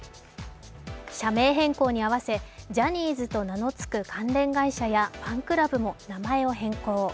社名変更に合わせ、ジャニーズの名のつく関連会社やファンクラブも名前を変更。